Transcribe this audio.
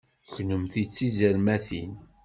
Kennemti d tizermatin!